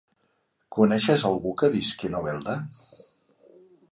Coneixes algú que visqui a Novelda?